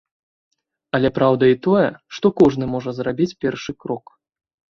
Але праўда і тое, што кожны можа зрабіць першы крок.